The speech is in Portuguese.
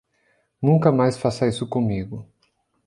Nunca mais faça isso comigo.